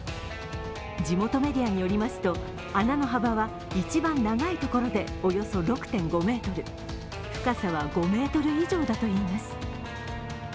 地元メディアによりますと、穴の幅は一番長いところでおよそ６．５ｍ、深さは５ｍ以上だといいます。